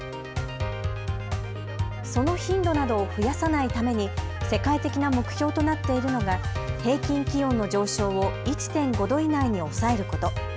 その頻度などを増やさないために世界的な目標となっているのが平均気温の上昇を１．５度以内に抑えること。